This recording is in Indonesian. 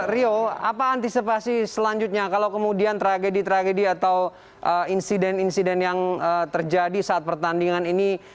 rio apa antisipasi selanjutnya kalau kemudian tragedi tragedi atau insiden insiden yang terjadi saat pertandingan ini